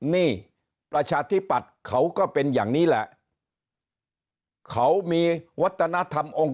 นี่ประชาธิปัตย์เขาก็เป็นอย่างนี้แหละเขามีวัฒนธรรมองค์